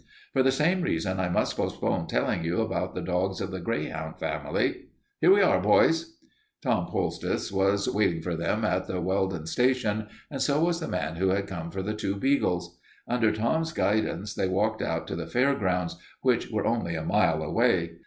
For the same reason I must postpone telling you about the dogs of the greyhound family. Here we are, boys." Tom Poultice was waiting for them at the Welden station and so was the man who had come for the two beagles. Under Tom's guidance they walked out to the fair grounds, which were only a mile away.